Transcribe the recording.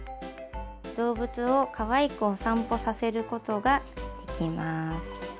動物をかわいくお散歩させることができます。